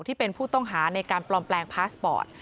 ที่เป็นผู้ต้องหาในการปลอมแปลงพาสปอร์ต